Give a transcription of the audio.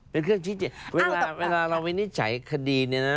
เป็นเครื่องชี้แจ้งเวลาเราวินิจฉัยคดีเนี่ยนะ